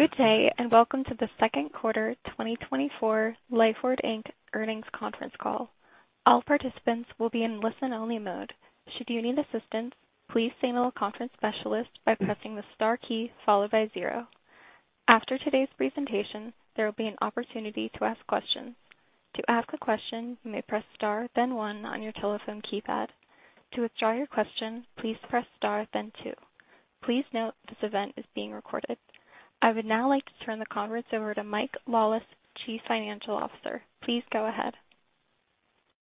Good day, and welcome to the second quarter 2024 Lifeward, Inc earnings conference call. All participants will be in listen-only mode. Should you need assistance, please signal a conference specialist by pressing the star key followed by zero. After today's presentation, there will be an opportunity to ask questions. To ask a question, you may press star then one on your telephone keypad. To withdraw your question, please press star then two. Please note, this event is being recorded. I would now like to turn the conference over to Mike Lawless, Chief Financial Officer. Please go ahead.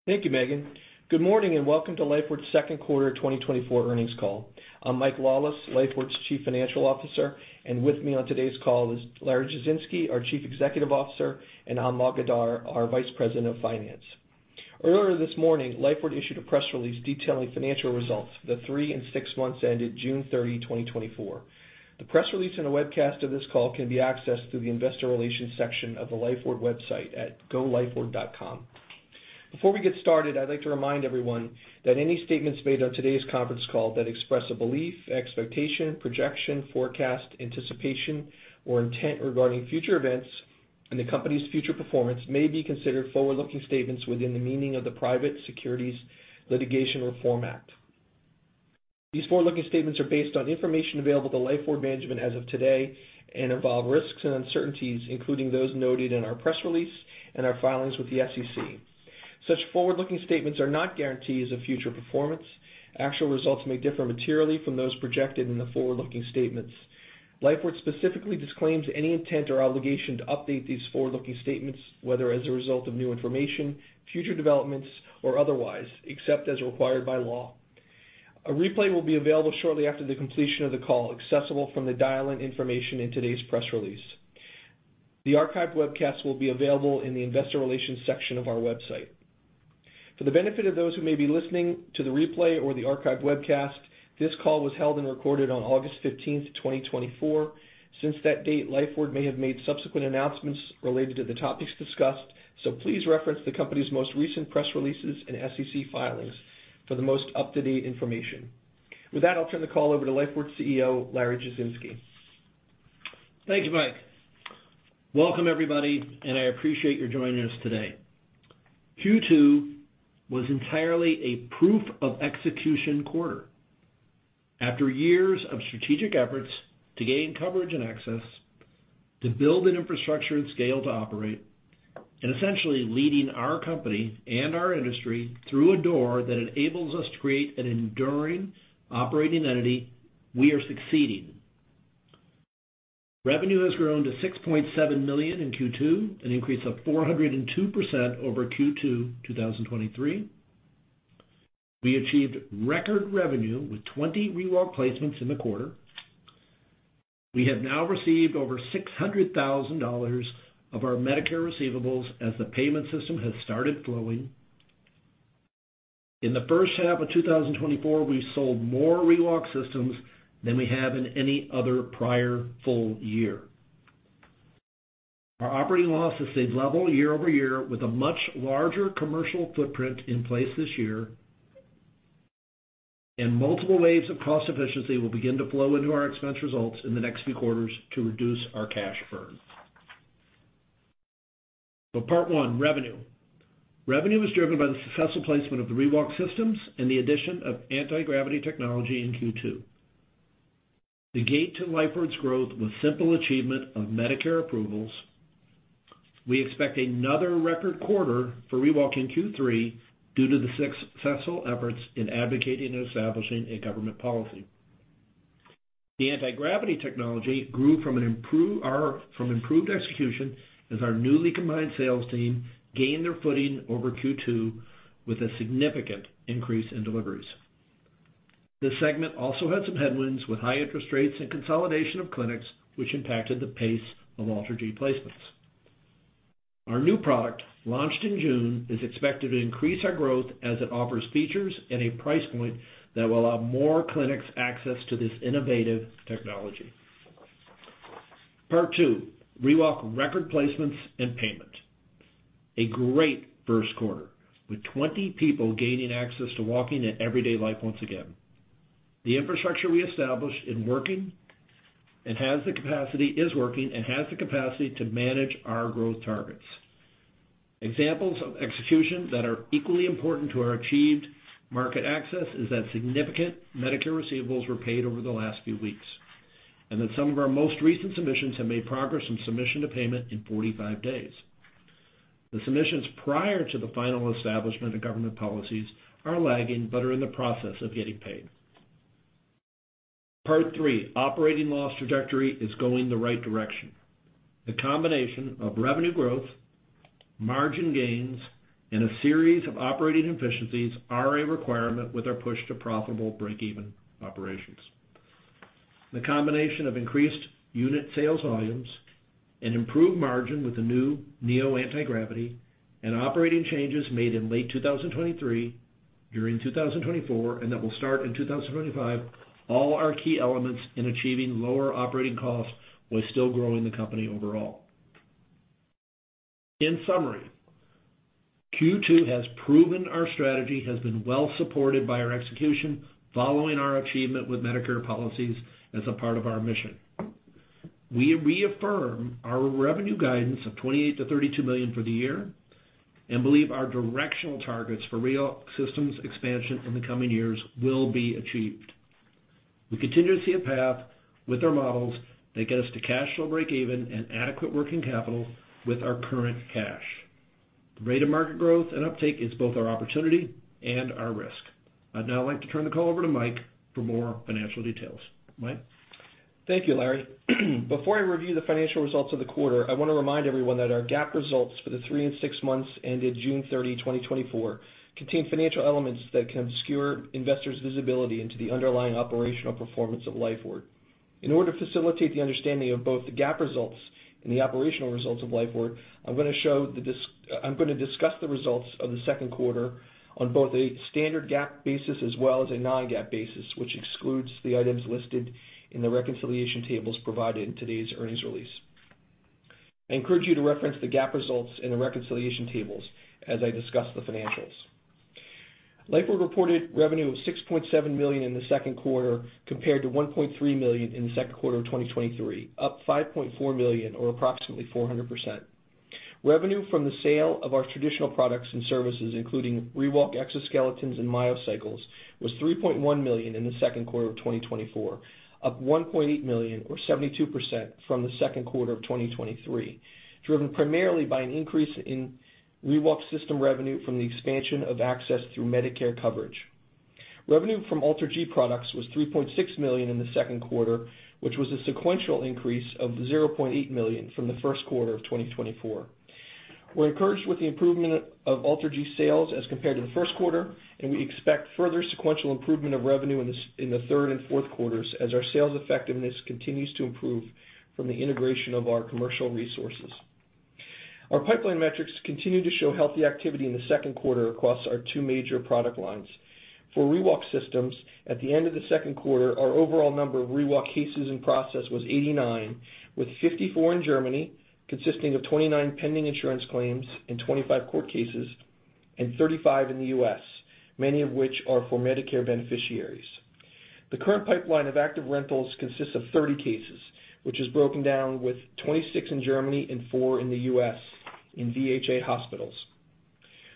Thank you, Megan. Good morning, and welcome to Lifeward's second quarter 2024 earnings call. I'm Mike Lawless, Lifeward's Chief Financial Officer, and with me on today's call is Larry Jasinski, our Chief Executive Officer, and Almog Adar, our Vice President of Finance. Earlier this morning, Lifeward issued a press release detailing financial results for the three and six months ended June 30, 2024. The press release and the webcast of this call can be accessed through the investor relations section of the Lifeward website at golifeward.com. Before we get started, I'd like to remind everyone that any statements made on today's conference call that express a belief, expectation, projection, forecast, anticipation, or intent regarding future events and the company's future performance may be considered forward-looking statements within the meaning of the Private Securities Litigation Reform Act. These forward-looking statements are based on information available to Lifeward management as of today and involve risks and uncertainties, including those noted in our press release and our filings with the SEC. Such forward-looking statements are not guarantees of future performance. Actual results may differ materially from those projected in the forward-looking statements. Lifeward specifically disclaims any intent or obligation to update these forward-looking statements, whether as a result of new information, future developments, or otherwise, except as required by law. A replay will be available shortly after the completion of the call, accessible from the dial-in information in today's press release. The archived webcast will be available in the investor relations section of our website. For the benefit of those who may be listening to the replay or the archived webcast, this call was held and recorded on August fifteenth, twenty twenty-four. Since that date, Lifeward may have made subsequent announcements related to the topics discussed, so please reference the company's most recent press releases and SEC filings for the most up-to-date information. With that, I'll turn the call over to Lifeward's CEO, Larry Jasinski. Thank you, Mike. Welcome, everybody, and I appreciate you joining us today. Q2 was entirely a proof of execution quarter. After years of strategic efforts to gain coverage and access, to build an infrastructure and scale to operate, and essentially leading our company and our industry through a door that enables us to create an enduring operating entity, we are succeeding. Revenue has grown to $6.7 million in Q2, an increase of 402% over Q2 2023. We achieved record revenue with 20 ReWalk placements in the quarter. We have now received over $600,000 of our Medicare receivables as the payment system has started flowing. In the first half of 2024, we've sold more ReWalk systems than we have in any other prior full year. Our operating loss has stayed level year-over-year, with a much larger commercial footprint in place this year, and multiple waves of cost efficiency will begin to flow into our expense results in the next few quarters to reduce our cash burn. So part one, revenue. Revenue was driven by the successful placement of the ReWalk systems and the addition of anti-gravity technology in Q2. The gate to Lifeward's growth was simple achievement of Medicare approvals. We expect another record quarter for ReWalk in Q3 due to the successful efforts in advocating and establishing a government policy. The anti-gravity technology grew from improved execution as our newly combined sales team gained their footing over Q2 with a significant increase in deliveries. This segment also had some headwinds with high interest rates and consolidation of clinics, which impacted the pace of AlterG placements. Our new product, launched in June, is expected to increase our growth as it offers features at a price point that will allow more clinics access to this innovative technology. Part two, ReWalk record placements and payment. A great first quarter, with 20 people gaining access to walking and everyday life once again. The infrastructure we established is working and has the capacity to manage our growth targets. Examples of execution that are equally important to our achieved market access is that significant Medicare receivables were paid over the last few weeks, and that some of our most recent submissions have made progress from submission to payment in 45 days. The submissions prior to the final establishment of government policies are lagging, but are in the process of getting paid. Part three, operating loss trajectory is going the right direction. The combination of revenue growth, margin gains, and a series of operating efficiencies are a requirement with our push to profitable break-even operations. The combination of increased unit sales volumes and improved margin with the new Neo Anti-Gravity and operating changes made in late 2023, during 2024, and that will start in 2025, all are key elements in achieving lower operating costs while still growing the company overall. In summary, Q2 has proven our strategy has been well supported by our execution, following our achievement with Medicare policies as a part of our mission. We reaffirm our revenue guidance of $28-32 million for the year, and believe our directional targets for ReWalk systems expansion in the coming years will be achieved. We continue to see a path with our models that get us to cash flow break even and adequate working capital with our current cash. The rate of market growth and uptake is both our opportunity and our risk. I'd now like to turn the call over to Mike for more financial details. Mike? Thank you, Larry. Before I review the financial results of the quarter, I want to remind everyone that our GAAP results for the three and six months ended June 30, 2024, contain financial elements that can obscure investors' visibility into the underlying operational performance of Lifeward. In order to facilitate the understanding of both the GAAP results and the operational results of Lifeward, I'm going to discuss the results of the second quarter on both a standard GAAP basis as well as a non-GAAP basis, which excludes the items listed in the reconciliation tables provided in today's earnings release. I encourage you to reference the GAAP results in the reconciliation tables as I discuss the financials. Lifeward reported revenue of $6.7 million in the second quarter, compared to $1.3 million in the second quarter of 2023, up $5.4 million, or approximately 400%. Revenue from the sale of our traditional products and services, including ReWalk exoskeletons and MyoCycle, was $3.1 million in the second quarter of 2024, up $1.8 million, or 72% from the second quarter of 2023, driven primarily by an increase in ReWalk system revenue from the expansion of access through Medicare coverage. Revenue from AlterG products was $3.6 million in the second quarter, which was a sequential increase of $0.8 million from the first quarter of 2024. We're encouraged with the improvement of AlterG sales as compared to the first quarter, and we expect further sequential improvement of revenue in the third and fourth quarters as our sales effectiveness continues to improve from the integration of our commercial resources. Our pipeline metrics continued to show healthy activity in the second quarter across our two major product lines. For ReWalk systems, at the end of the second quarter, our overall number of ReWalk cases in process was 89, with 54 in Germany, consisting of 29 pending insurance claims and 25 court cases, and 35 in the US, many of which are for Medicare beneficiaries. The current pipeline of active rentals consists of 30 cases, which is broken down with 26 in Germany and 4 in the US in VHA hospitals.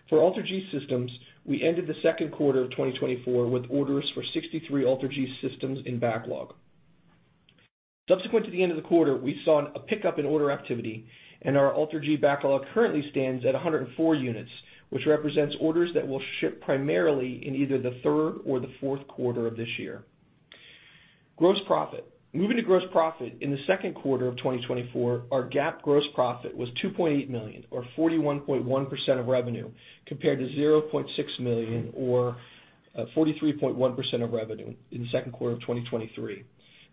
For AlterG systems, we ended the second quarter of 2024 with orders for 63 AlterG systems in backlog. Subsequent to the end of the quarter, we saw a pickup in order activity, and our AlterG backlog currently stands at 104 units, which represents orders that will ship primarily in either the third or the fourth quarter of this year. Gross profit. Moving to gross profit, in the second quarter of 2024, our GAAP gross profit was $2.8 million, or 41.1% of revenue, compared to $0.6 million or 43.1% of revenue in the second quarter of 2023.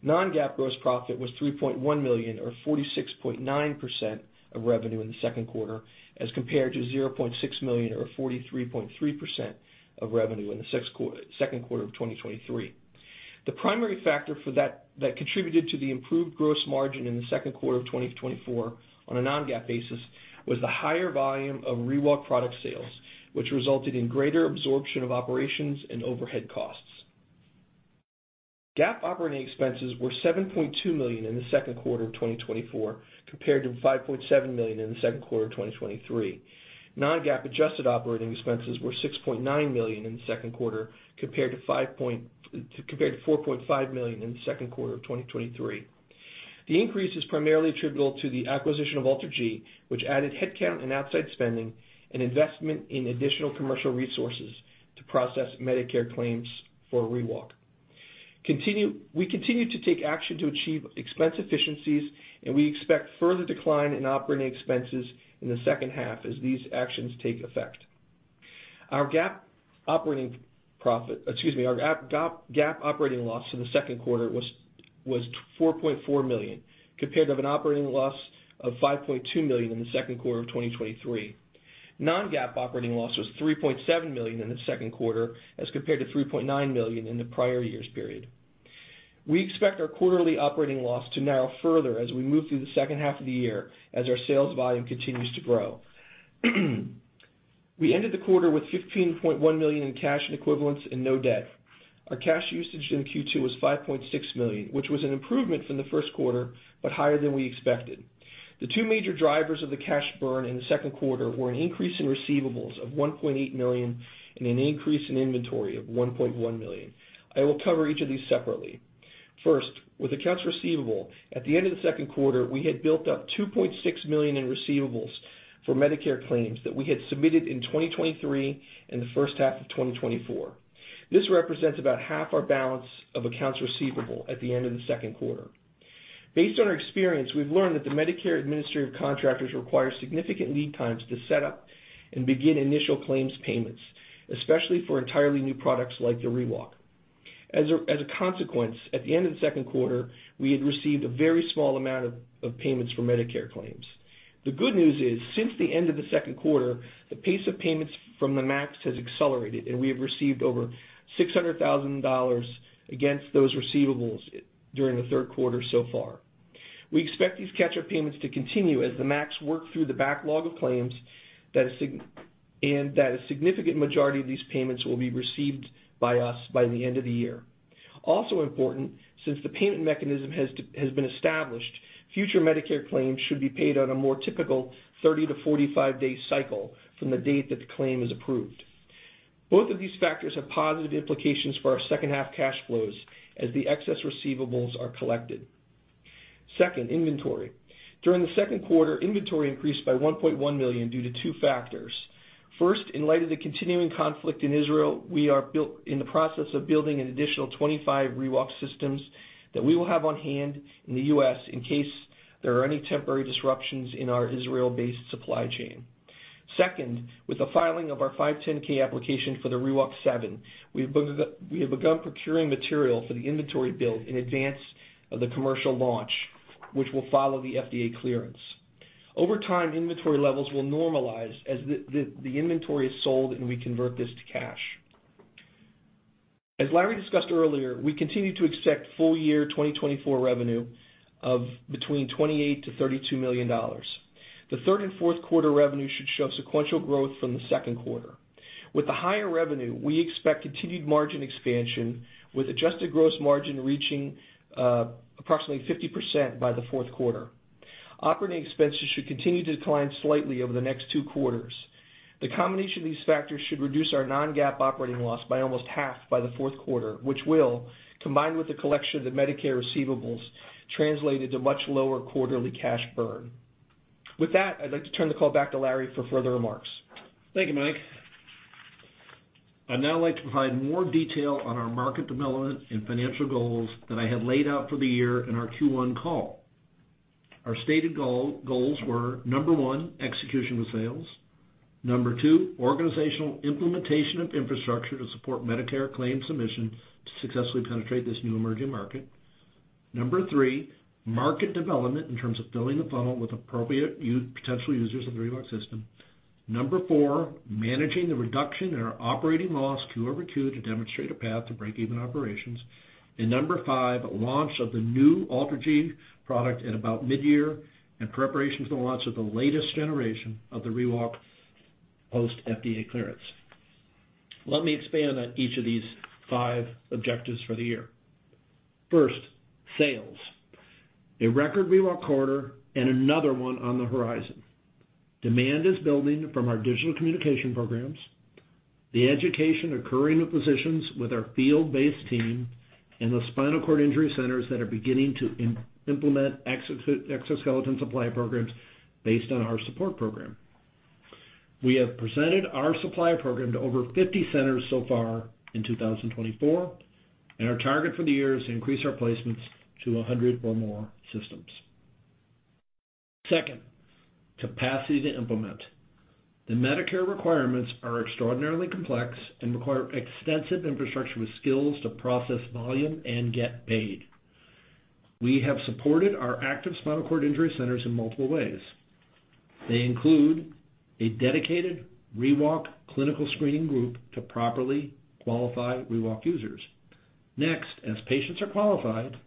Non-GAAP gross profit was $3.1 million, or 46.9% of revenue in the second quarter, as compared to $0.6 million, or 43.3% of revenue in the second quarter of 2023. The primary factor that contributed to the improved gross margin in the second quarter of 2024 on a non-GAAP basis was the higher volume of ReWalk product sales, which resulted in greater absorption of operations and overhead costs. GAAP operating expenses were $7.2 million in the second quarter of 2024, compared to $5.7 million in the second quarter of 2023. Non-GAAP adjusted operating expenses were $6.9 million in the second quarter, compared to $4.5 million in the second quarter of 2023. The increase is primarily attributable to the acquisition of AlterG, which added headcount and outside spending and investment in additional commercial resources to process Medicare claims for ReWalk. We continue to take action to achieve expense efficiencies, and we expect further decline in operating expenses in the second half as these actions take effect. Our GAAP operating profit, excuse me, our GAAP operating loss in the second quarter was $4.4 million, compared to an operating loss of $5.2 million in the second quarter of 2023. Non-GAAP operating loss was $3.7 million in the second quarter, as compared to $3.9 million in the prior year's period. We expect our quarterly operating loss to narrow further as we move through the second half of the year, as our sales volume continues to grow. We ended the quarter with $15.1 million in cash and equivalents and no debt. Our cash usage in Q2 was $5.6 million, which was an improvement from the first quarter, but higher than we expected. The two major drivers of the cash burn in the second quarter were an increase in receivables of $1.8 million and an increase in inventory of $1.1 million. I will cover each of these separately. First, with accounts receivable, at the end of the second quarter, we had built up $2.6 million in receivables for Medicare claims that we had submitted in 2023 and the first half of 2024. This represents about half our balance of accounts receivable at the end of the second quarter. Based on our experience, we've learned that the Medicare administrative contractors require significant lead times to set up and begin initial claims payments, especially for entirely new products like the ReWalk. As a consequence, at the end of the second quarter, we had received a very small amount of payments from Medicare claims. The good news is, since the end of the second quarter, the pace of payments from the MACs has accelerated, and we have received over $600,000 against those receivables during the third quarter so far. We expect these catch-up payments to continue as the MACs work through the backlog of claims, that's a sign and that a significant majority of these payments will be received by us by the end of the year. Also important, since the payment mechanism has to, has been established, future Medicare claims should be paid on a more typical 30-45-day cycle from the date that the claim is approved. Both of these factors have positive implications for our second half cash flows, as the excess receivables are collected. Second, inventory. During the second quarter, inventory increased by $1.1 million due to 2 factors. First, in light of the continuing conflict in Israel, we are in the process of building an additional 25 ReWalk systems that we will have on hand in the U.S. in case there are any temporary disruptions in our Israel-based supply chain. Second, with the filing of our 510(k) application for the ReWalk 7, we've begun, we have begun procuring material for the inventory build in advance of the commercial launch, which will follow the FDA clearance. Over time, inventory levels will normalize as the inventory is sold, and we convert this to cash. As Larry discussed earlier, we continue to expect full year 2024 revenue of between $28 million-$32 million. The third and fourth quarter revenue should show sequential growth from the second quarter. With the higher revenue, we expect continued margin expansion, with adjusted gross margin reaching approximately 50% by the fourth quarter. Operating expenses should continue to decline slightly over the next two quarters. The combination of these factors should reduce our non-GAAP operating loss by almost half by the fourth quarter, which will, combined with the collection of the Medicare receivables, translate into much lower quarterly cash burn. With that, I'd like to turn the call back to Larry for further remarks. Thank you, Mike. I'd now like to provide more detail on our market development and financial goals that I had laid out for the year in our Q1 call. Our stated goal, goals were, 1, execution of sales. 2, organizational implementation of infrastructure to support Medicare claim submission to successfully penetrate this new emerging market. 3, market development in terms of filling the funnel with appropriate potential users of the ReWalk system. 4, managing the reduction in our operating loss Q over Q to demonstrate a path to break even operations. And 5, launch of the new AlterG product at about midyear, and preparation for the launch of the latest generation of the ReWalk post FDA clearance. Let me expand on each of these five objectives for the year. First, sales. A record ReWalk quarter and another one on the horizon. Demand is building from our digital communication programs, the education occurring with physicians with our field-based team, and the spinal cord injury centers that are beginning to implement exoskeleton supplier programs based on our support program. We have presented our supplier program to over 50 centers so far in 2024, and our target for the year is to increase our placements to 100 or more systems. Second, capacity to implement. The Medicare requirements are extraordinarily complex and require extensive infrastructure with skills to process volume and get paid. We have supported our active spinal cord injury centers in multiple ways. They include a dedicated ReWalk clinical screening group to properly qualify ReWalk users. Next, as patients are qualified,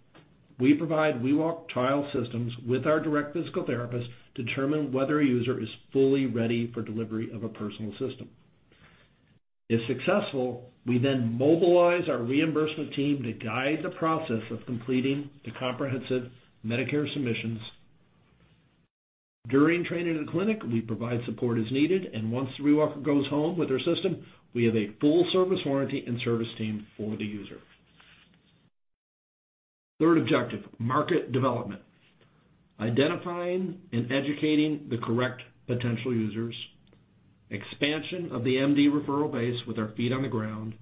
we provide ReWalk trial systems with our direct physical therapists to determine whether a user is fully ready for delivery of a personal system. If successful, we then mobilize our reimbursement team to guide the process of completing the comprehensive Medicare submissions. During training in the clinic, we provide support as needed, and once the ReWalker goes home with their system, we have a full service warranty and service team for the user. Third objective, market development. Identifying and educating the correct potential users, expansion of the MD referral base with our feet on the ground,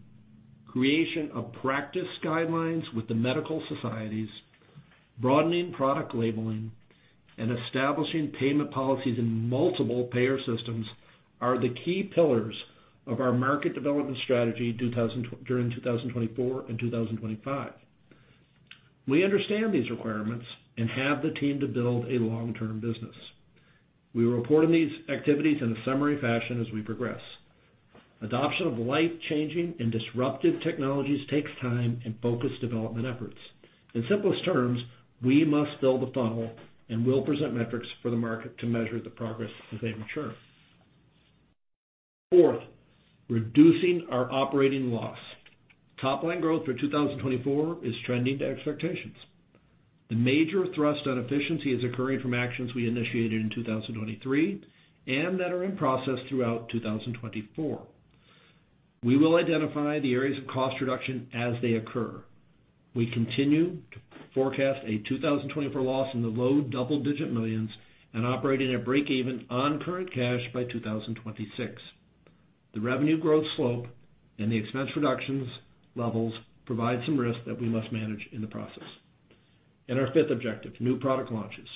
creation of practice guidelines with the medical societies, broadening product labeling, and establishing payment policies in multiple payer systems are the key pillars of our market development strategy during 2024 and 2025. We understand these requirements and have the team to build a long-term business. We will report on these activities in a summary fashion as we progress. Adoption of life-changing and disruptive technologies takes time and focused development efforts. In simplest terms, we must build a funnel and will present metrics for the market to measure the progress as they mature. Fourth, reducing our operating loss. Top line growth for 2024 is trending to expectations. The major thrust on efficiency is occurring from actions we initiated in 2023, and that are in process throughout 2024. We will identify the areas of cost reduction as they occur. We continue to forecast a 2024 loss in the low double-digit millions and operating at break even on current cash by 2026. The revenue growth slope and the expense reductions levels provide some risk that we must manage in the process. Our fifth objective, new product launches.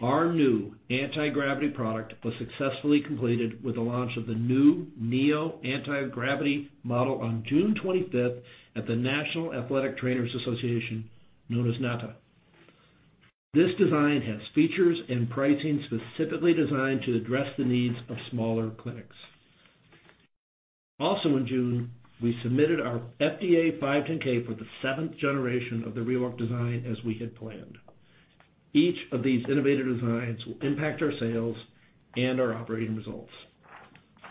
Our new Anti-Gravity product was successfully completed with the launch of the new Neo Anti-Gravity model on June 25th at the National Athletic Trainers' Association, known as NATA. This design has features and pricing specifically designed to address the needs of smaller clinics. Also in June, we submitted our FDA 510(k) for the seventh generation of the ReWalk design, as we had planned. Each of these innovative designs will impact our sales and our operating results.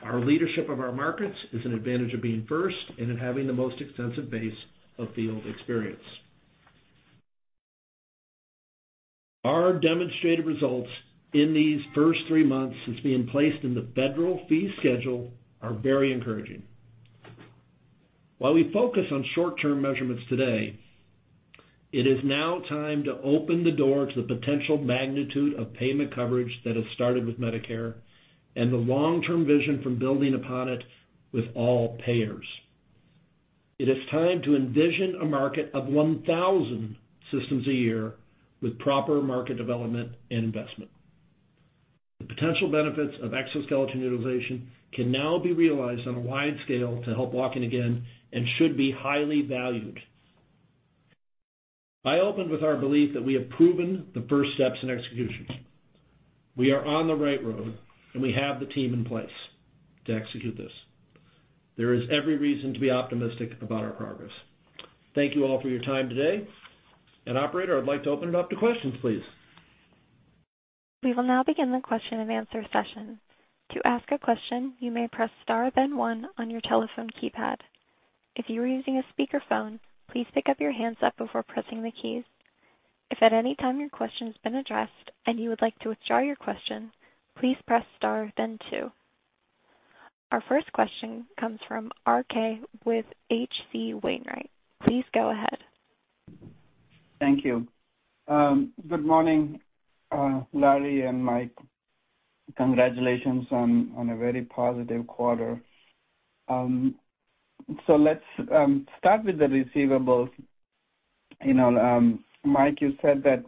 Our leadership of our markets is an advantage of being first and in having the most extensive base of field experience. Our demonstrated results in these first three months since being placed in the federal fee schedule are very encouraging. While we focus on short-term measurements today, it is now time to open the door to the potential magnitude of payment coverage that has started with Medicare and the long-term vision from building upon it with all payers. It is time to envision a market of 1,000 systems a year with proper market development and investment. The potential benefits of exoskeleton utilization can now be realized on a wide scale to help walking again and should be highly valued. I opened with our belief that we have proven the first steps in execution. We are on the right road, and we have the team in place to execute this. There is every reason to be optimistic about our progress. Thank you all for your time today. Operator, I'd like to open it up to questions, please. We will now begin the question and answer session. To ask a question, you may press star then one on your telephone keypad. If you are using a speakerphone, please pick up the handset before pressing the keys. If at any time your question has been addressed and you would like to withdraw your question, please press star then two. Our first question comes from RK with H.C. Wainwright. Please go ahead. Thank you. Good morning, Larry and Mike. Congratulations on a very positive quarter. So let's start with the receivables. You know, Mike, you said that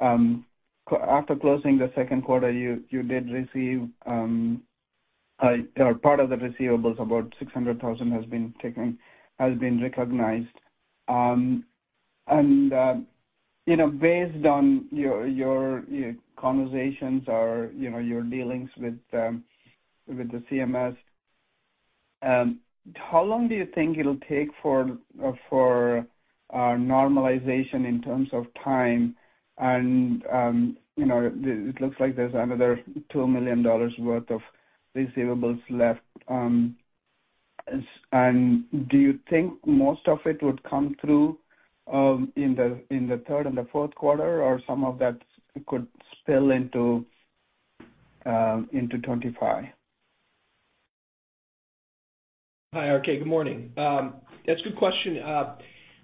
after closing the second quarter, you did receive or part of the receivables; about $600,000 has been recognized. And you know, based on your conversations or your dealings with the CMS, how long do you think it'll take for normalization in terms of time? And you know, it looks like there's another $2 million worth of receivables left. And do you think most of it would come through in the third and the fourth quarter, or some of that could spill into 2025? Hi, RK. Good morning. That's a good question.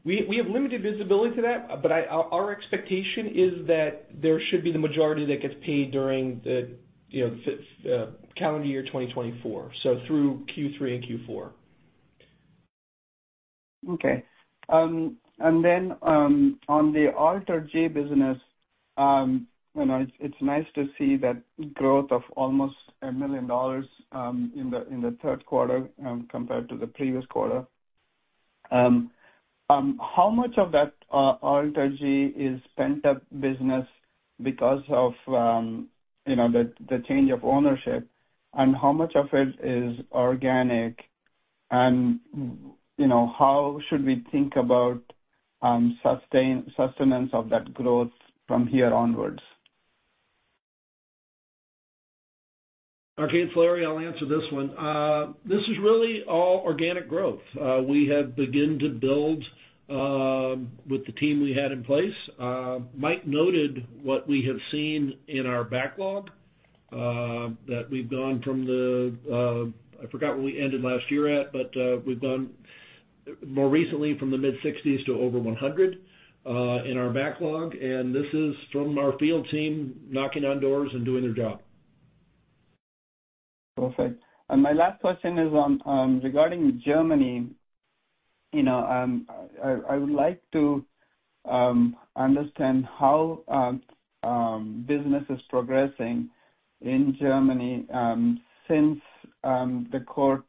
We have limited visibility to that, but our expectation is that there should be the majority that gets paid during the, you know, fifth calendar year, 2024, so through Q3 and Q4. Okay. And then, on the AlterG business, you know, it's, it's nice to see that growth of almost $1 million in the third quarter, compared to the previous quarter. How much of that AlterG is pent up business because of, you know, the change of ownership, and how much of it is organic? And, you know, how should we think about sustenance of that growth from here onwards? RK, it's Larry, I'll answer this one. This is really all organic growth. We have begun to build with the team we had in place. Mike noted what we have seen in our backlog, that we've gone from the, I forgot where we ended last year at, but, we've gone more recently from the mid-60s to over 100 in our backlog. This is from our field team knocking on doors and doing their job. Perfect. And my last question is on regarding Germany. You know, I would like to understand how business is progressing in Germany since the court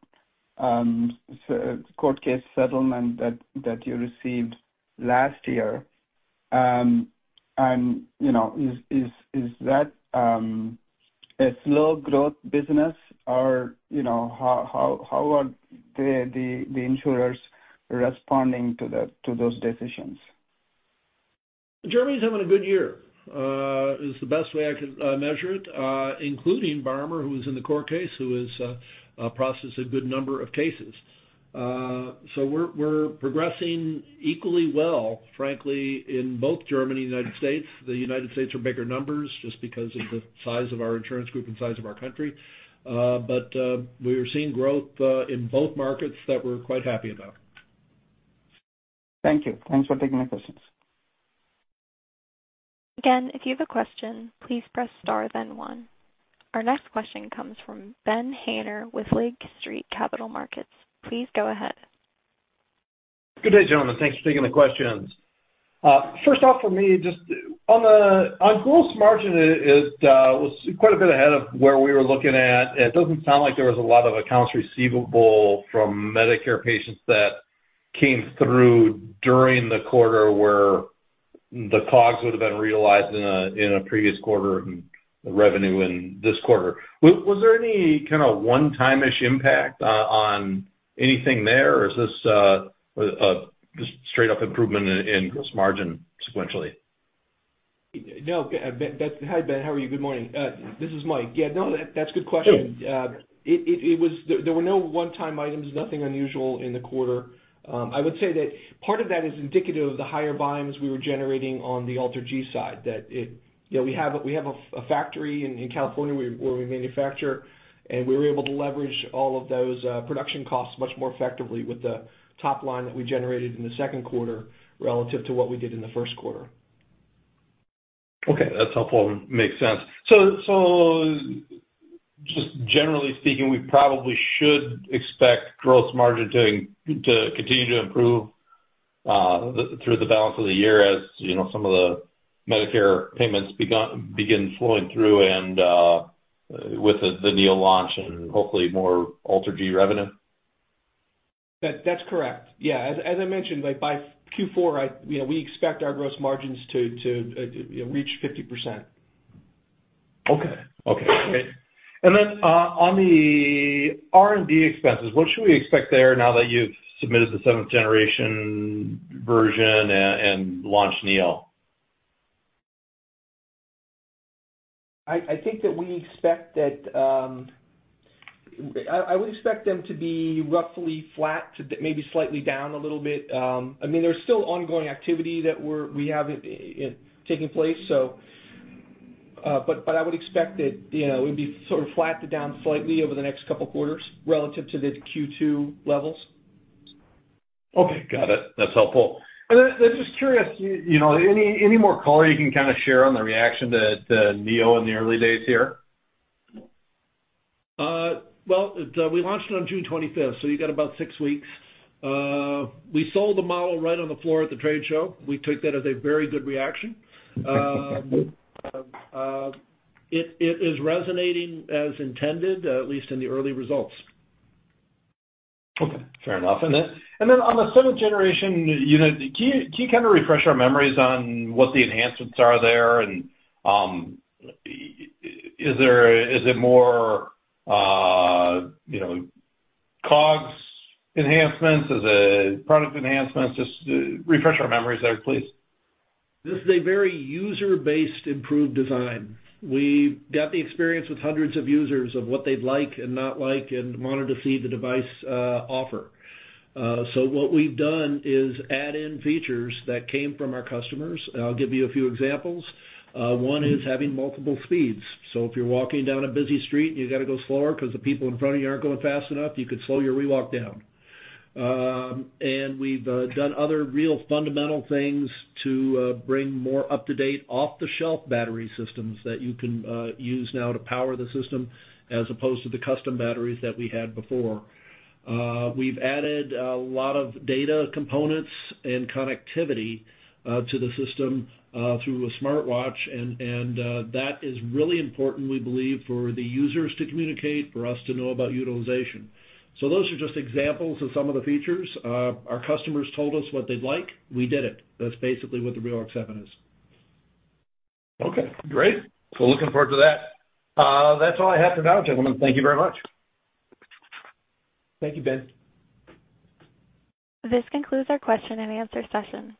case settlement that you received last year. And, you know, is that a slow growth business, or, you know, how are the insurers responding to those decisions? Germany's having a good year, is the best way I could measure it, including Barmer, who was in the court case, who has processed a good number of cases. So we're progressing equally well, frankly, in both Germany and United States. The United States are bigger numbers just because of the size of our insurance group and size of our country. But we are seeing growth in both markets that we're quite happy about. Thank you. Thanks for taking my questions. Again, if you have a question, please press star, then one. Our next question comes from Ben Haynor with Lake Street Capital Markets. Please go ahead. Good day, gentlemen. Thanks for taking the questions. First off, for me, just on gross margin, it was quite a bit ahead of where we were looking at. It doesn't sound like there was a lot of accounts receivable from Medicare patients that came through during the quarter where the COGS would have been realized in a previous quarter and the revenue in this quarter. Was there any kind of one-time ish impact on anything there? Or is this just straight up improvement in gross margin sequentially? No, Ben. Hi, Ben. How are you? Good morning. This is Mike. Yeah, no, that's a good question. Sure. There were no one-time items, nothing unusual in the quarter. I would say that part of that is indicative of the higher volumes we were generating on the AlterG side, that it. You know, we have a factory in California, where we manufacture, and we were able to leverage all of those production costs much more effectively with the top line that we generated in the second quarter relative to what we did in the first quarter. Okay, that's helpful. Makes sense. So just generally speaking, we probably should expect gross margin to continue to improve through the balance of the year, as you know, some of the Medicare payments begin flowing through and with the Neo launch and hopefully more AlterG revenue? That, that's correct. Yeah. As I mentioned, like by Q4, we expect our gross margins to, you know, reach 50%. Okay. Okay. On the R&D expenses, what should we expect there now that you've submitted the seventh generation version and launched Neo? I think that we expect that. I would expect them to be roughly flat, to maybe slightly down a little bit. I mean, there's still ongoing activity that we have in taking place, so, but I would expect that, you know, it would be sort of flat to down slightly over the next couple quarters relative to the Q2 levels. Okay, got it. That's helpful. And then just curious, you know, any, any more color you can kind of share on the reaction to, to Neo in the early days here? Well, we launched it on June 25th, so you got about six weeks. We sold the model right on the floor at the trade show. We took that as a very good reaction. It is resonating as intended, at least in the early results. Okay, fair enough. And then on the seventh generation unit, can you kind of refresh our memories on what the enhancements are there? And is it more, you know, COGS enhancements? Is it product enhancements? Just refresh our memories there, please. This is a very user-based, improved design. We've got the experience with hundreds of users of what they'd like and not like and wanted to see the device offer. So what we've done is add in features that came from our customers. I'll give you a few examples. One is having multiple speeds. So if you're walking down a busy street, and you got to go slower because the people in front of you aren't going fast enough, you could slow your ReWalk down. And we've done other real fundamental things to bring more up-to-date, off-the-shelf battery systems that you can use now to power the system, as opposed to the custom batteries that we had before. We've added a lot of data components and connectivity to the system through a smartwatch, and that is really important, we believe, for the users to communicate, for us to know about utilization. So those are just examples of some of the features. Our customers told us what they'd like. We did it. That's basically what the ReWalk 7 is. Okay, great. So looking forward to that. That's all I have for now, gentlemen. Thank you very much. Thank you, Ben. This concludes our question and answer session.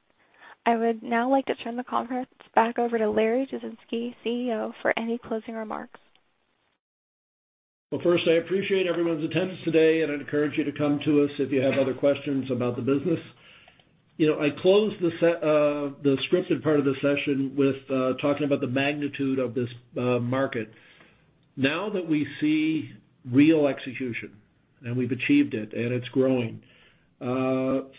I would now like to turn the conference back over to Larry Jasinski, CEO, for any closing remarks. Well, first, I appreciate everyone's attendance today, and I'd encourage you to come to us if you have other questions about the business. You know, I closed the scripted part of the session with talking about the magnitude of this market. Now that we see real execution, and we've achieved it, and it's growing,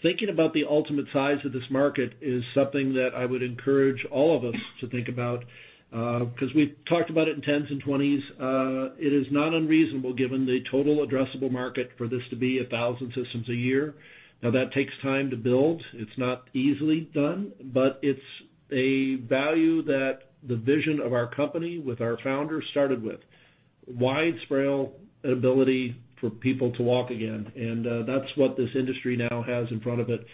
thinking about the ultimate size of this market is something that I would encourage all of us to think about, because we've talked about it in tens and twenties. It is not unreasonable, given the total addressable market, for this to be 1,000 systems a year. Now, that takes time to build. It's not easily done, but it's a value that the vision of our company with our founders started with. Widespread ability for people to walk again, and that's what this industry now has in front of it,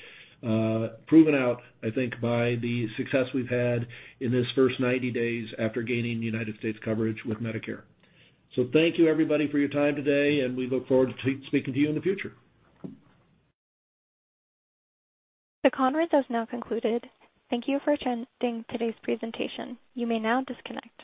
proven out, I think, by the success we've had in this first 90 days after gaining United States coverage with Medicare. So thank you, everybody, for your time today, and we look forward to speaking to you in the future. The conference has now concluded. Thank you for attending today's presentation. You may now disconnect.